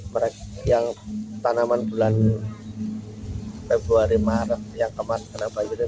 mencapai dua dua ratus tiga puluh sembilan hektare gagal panen